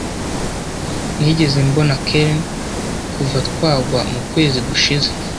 Sinigeze mbona Karen kuva twagwa mukwezi gushize.